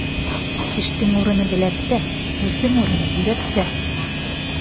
Эштең урыны беләктә, һүҙҙең урыны йөрәктә.